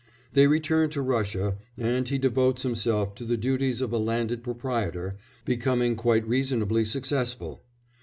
They return to Russia, and he devotes himself to the duties of a landed proprietor, becoming quite reasonably successful.